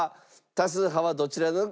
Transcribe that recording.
多数派はどちらなのか？